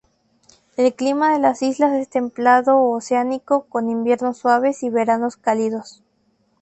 El clima de las islas es templado oceánico, con inviernos suaves y veranos cálidos.